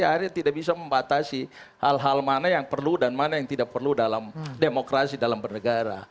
akhirnya tidak bisa membatasi hal hal mana yang perlu dan mana yang tidak perlu dalam demokrasi dalam bernegara